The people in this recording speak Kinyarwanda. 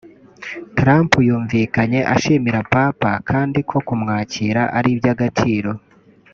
Trump yumvikanye ashimira Papa kandi ko kumwakira ari iby’agaciro